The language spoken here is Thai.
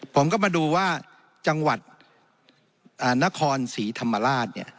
ผมก็มาดูว่าจังหวัดนครศรีธรรมราช